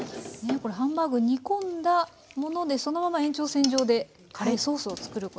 これハンバーグ煮込んだものでそのまま延長線上でカレーソースを作ることができる。